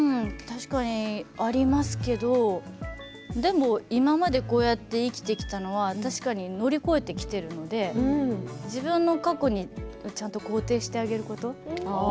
確かにありますけどでも今までこうやって生きてきたのは確かに乗り越えてきているので自分の過去にちゃんと肯定してあげること。